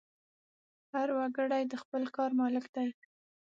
هر وګړی د خپل کار مالک دی.